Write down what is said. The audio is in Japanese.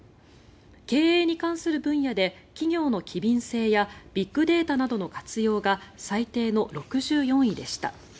経営に関する分野で企業の機敏性やビッグデータなどの活用が最低の６４位でした。